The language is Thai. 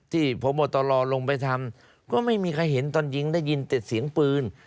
พบตรลงไปทำก็ไม่มีใครเห็นตอนยิงได้ยินแต่เสียงปืน